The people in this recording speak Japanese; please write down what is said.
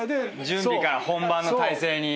準備から本番の体勢に。